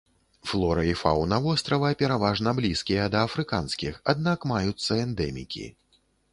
Флора і фаўна вострава пераважна блізкія да афрыканскіх, аднак маюцца эндэмікі.